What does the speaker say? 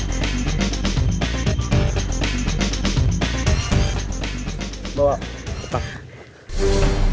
tidak ada yang mukulin di jalan maukwaru